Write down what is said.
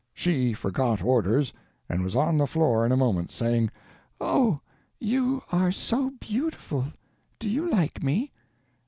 She forgot orders, and was on the floor in a moment, saying: "Oh, you are so beautiful! Do you like me?"